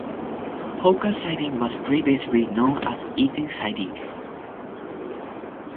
Hawker Siding was previously known as Eaton Siding.